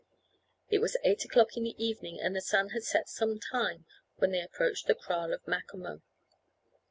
It was eight o'clock in the evening, and the sun had set some time, when they approached the kraal of Macomo.